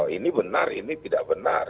ini benar ini tidak benar